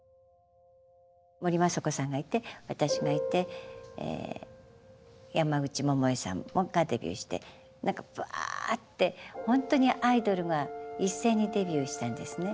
森昌子さんがいて私がいて山口百恵さんがデビューして何かバーってほんとにアイドルが一斉にデビューしたんですね。